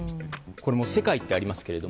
これも世界ってありますけど